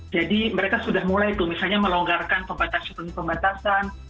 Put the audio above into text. jadi mereka sudah mulai tuh misalnya melonggarkan pembatasan pembatasan